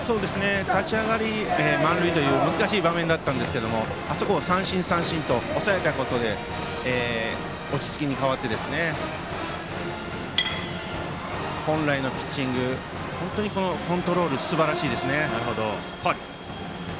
立ち上がり満塁という難しい場面でしたがあそこを三振、三振と抑えたことで落ち着きに変わって本来のピッチング、コントロールすばらしいですよね。